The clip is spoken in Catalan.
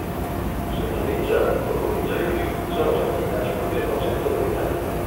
Centralitza, formalitza i prioritza les activitats pròpies del Centre de Lideratge.